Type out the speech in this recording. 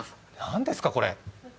なんですか、これ！？